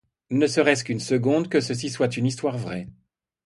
ne serait-ce qu'une seconde que ceci soit une histoire vraie.